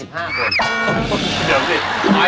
๒๕คน